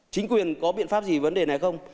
chính quyền có biện pháp gì vấn đề này không